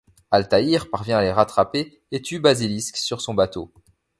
Altaïr parvient à les rattraper et tue Basilisk sur son bateau.